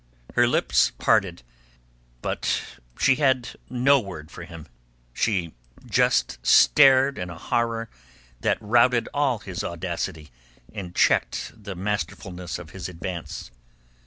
Her lips parted, but she had no word for him. She just stared in a horror that routed all his audacity and checked the masterfulness of his advance.